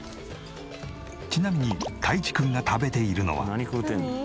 ちなみにたいちくんが食べているのは。